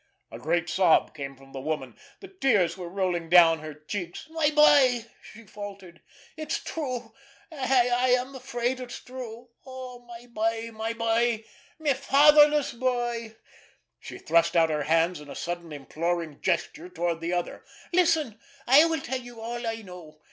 A great sob came from the woman. The tears were rolling down her cheeks. "My boy!" she faltered. "It's true—I—I am afraid it's true. Oh, my boy—my boy—my fatherless boy!" She thrust out her hands in a sudden imploring gesture toward the other. "Listen! I will tell you all I know.